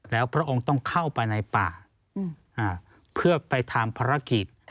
แล้วพระองค์ต้องเข้าไปในป่าเพื่อไปทำภารกิจ